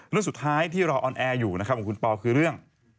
เรื่องสุดท้ายที่รอออนแอร์อยู่นะครับของคุณปอคือเรื่อง